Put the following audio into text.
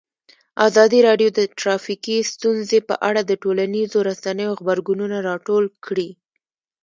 ازادي راډیو د ټرافیکي ستونزې په اړه د ټولنیزو رسنیو غبرګونونه راټول کړي.